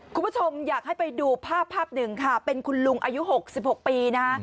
คุณผู้ชมอยากให้ไปดูภาพภาพหนึ่งค่ะเป็นคุณลุงอายุ๖๖ปีนะ